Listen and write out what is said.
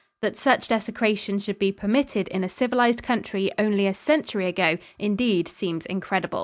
That such desecration should be permitted in a civilized country only a century ago indeed seems incredible.